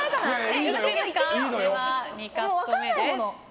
では２カット目です。